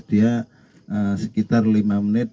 dia sekitar lima menit